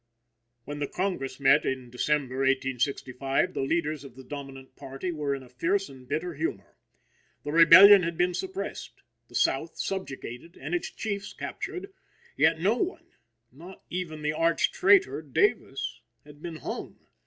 When the Congress met in December, 1865, the leaders of the dominant party were in a fierce and bitter humor. The Rebellion had been suppressed, the South subjugated and its chiefs captured, yet no one not even the arch traitor Davis had been hung.